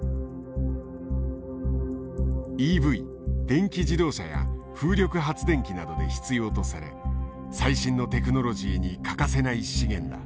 電気自動車や風力発電機などで必要とされ最新のテクノロジーに欠かせない資源だ。